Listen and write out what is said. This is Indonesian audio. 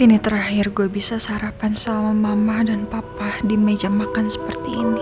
ini terakhir gue bisa sarapan sama mama dan papa di meja makan seperti ini